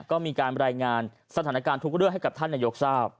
ก็มีการรายงานสถานการณ์ทุกเรื่องให้กับท่านนายกทราบ